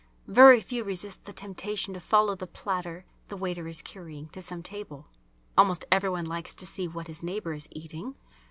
Very few resist the temptation to follow the platter the waiter is carrying to some table. (Almost every one likes to see what his neighbour is eating.)